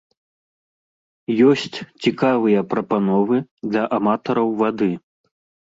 Ёсць цікавыя прапановы для аматараў вады.